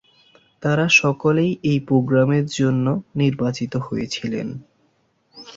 তারা সকলেই এই প্রোগ্রামের জন্য নির্বাচিত হয়েছিলেন।